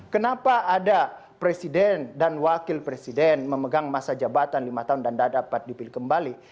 kenapa ada presiden dan wakil presiden memegang masa jabatan lima tahun dan tidak dapat dipilih kembali